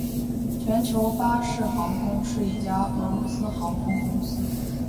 全球巴士航空是一家俄罗斯航空公司。